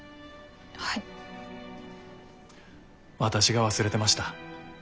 私が忘れてました。